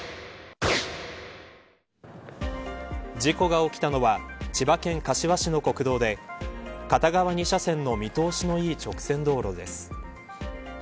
事故が起きたのは千葉県柏市の国道で片側２車線の見通しのいい直線道路です。